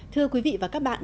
thưa quý vị và các bạn